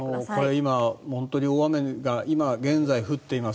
今、本当に大雨が今現在、降っています。